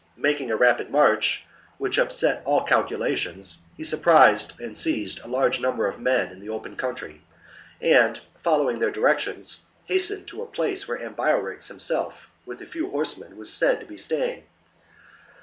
Making a rapid march, which upset all calculations, he surprised and seized a large number of men in the open country, and, following their directions, hastened to a place where Ambiorix himself with a few horsemen was said to be staying.